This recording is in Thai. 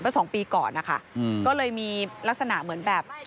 สองปีก่อนนะคะก็เลยมีลักษณะเหมือนแบบ